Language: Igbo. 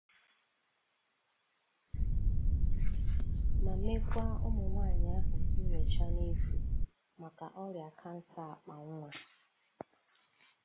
ma mekwa ụmụnwaanyị ahụ nnyocha n'efu maka ọrịa ka nsa akpa nwa